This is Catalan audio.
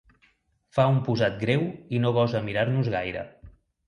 Fa un posat greu i no gosa mirar-nos gaire.